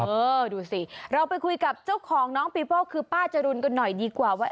เออดูสิเราไปคุยกับเจ้าของน้องปีโป้คือป้าจรุนกันหน่อยดีกว่าว่า